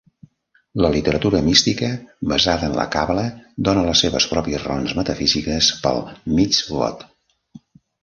La literatura mística, basada en la Càbala, dóna les seves pròpies raons metafísiques pel mitzvot.